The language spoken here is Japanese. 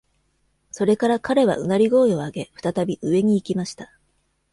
それから彼はうなり声を上げ、再び上に行きました。